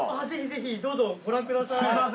ぜひぜひどうぞご覧ください。